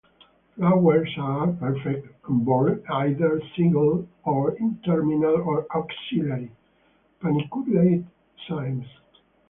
Flowers are perfect, and borne either singly or in terminal or axillary, paniculate cymes.